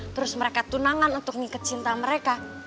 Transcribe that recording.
terus mereka tunangan untuk mengikat cinta mereka